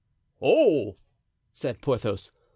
"Oh!" said Porthos.